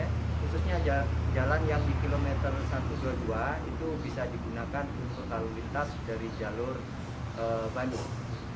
khususnya jalan yang di kilometer satu ratus dua puluh dua itu bisa digunakan untuk lalu lintas dari jalur bandung